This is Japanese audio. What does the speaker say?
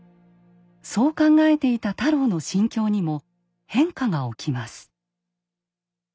そう考えていた太郎の心境にも変化が起きます。